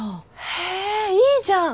へえいいじゃん。